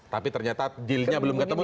tapi ternyata dealnya belum ketemu